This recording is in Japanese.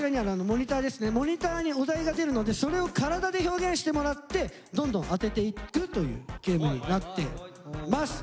モニターにお題が出るのでそれを体で表現してもらってどんどん当てていくというゲームになってます。